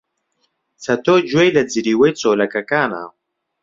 چەتۆ گوێی لە جریوەی چۆلەکەکانە.